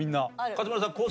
勝村さん昴